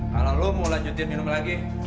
kalau lo mau lanjutin minum lagi